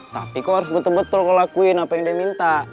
tapi kau harus betul betul kau lakuin apa yang dia minta